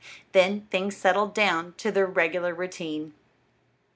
Then things settled down to their regular routine.